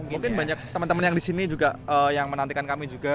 mungkin banyak teman teman yang di sini juga yang menantikan kami juga